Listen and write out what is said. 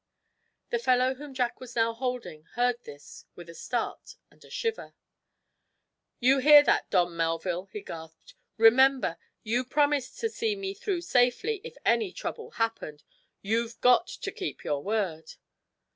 The fellow whom Jack was now holding heard this with a start and a shiver. "You hear that, Don Melville?" he gasped. "Remember, you promised to see me through safely, if any trouble happened. You've got to keep your word."